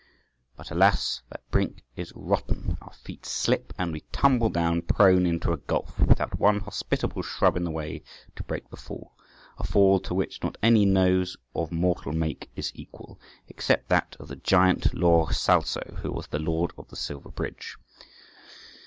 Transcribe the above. But alas! that brink is rotten, our feet slip, and we tumble down prone into a gulf, without one hospitable shrub in the way to break the fall—a fall to which not any nose of mortal make is equal, except that of the giant Laurcalco {147a}, who was Lord of the Silver Bridge.